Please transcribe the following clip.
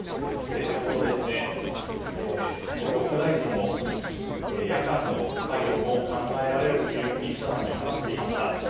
先ほど、国交副大臣も夜間の作業も考えられると記者団に話していました。